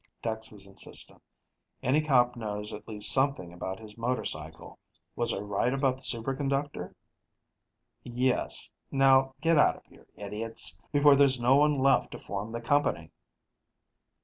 Dex was insistent: "Any cop knows at least something about his motorcycle. Was I right about the superconductor?" "Yes. Now, get out of here, idiots, before there's no one left to form the company!"